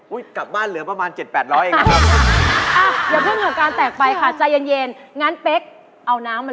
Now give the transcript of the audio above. กลับบ้านเหลือประมาณ๗๘๐๐เองนะครับ